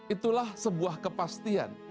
itulah sebuah kepastian